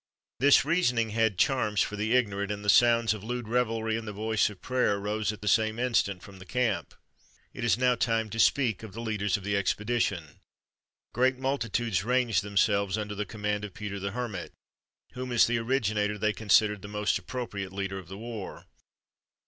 This reasoning had charms for the ignorant, and the sounds of lewd revelry and the voice of prayer rose at the same instant from the camp. It is now time to speak of the leaders of the expedition. Great multitudes ranged themselves under the command of Peter the Hermit, whom, as the originator, they considered the most appropriate leader of the war.